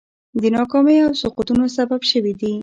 د ناکامیو او سقوطونو سبب شوي دي.